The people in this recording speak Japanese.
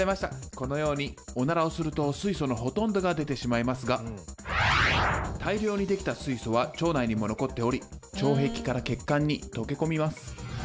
このようにオナラをすると水素のほとんどが出てしまいますが大量に出来た水素は腸内にも残っており腸壁から血管に溶け込みます。